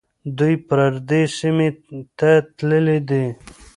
دوی پردي سیمې ته تللي دي.